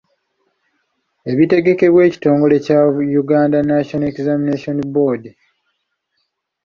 Ebitegekebwa ekitongole kya Uganda National Examination Board.